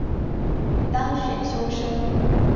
当选修生